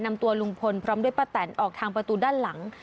นำตัวลุงพลพร้อมด้วยป้าแตนออกทางประตูด้านหลัง